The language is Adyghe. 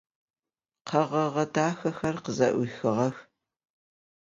Kheğeğe daxexer khıze'uixığex.